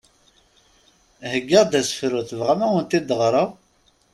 Heggaɣ-d asefru, tebɣam ad awen-t-id-ɣreɣ?